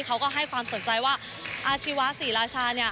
เขาก็ให้ความสนใจว่าอาชีวะศรีราชาเนี่ย